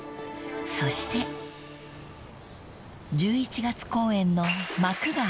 ［そして１１月公演の幕が開きました］